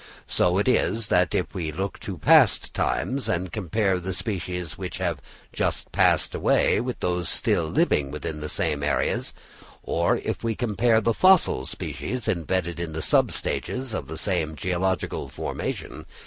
So it is if we look to past times, and compare the species which have just passed away with those still living within the same areas; or if we compare the fossil species embedded in the sub stages of the same geological formation.